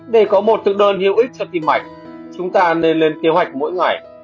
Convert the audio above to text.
để có một thực đơn hữu ích cho tim mạch chúng ta nên lên kế hoạch mỗi ngày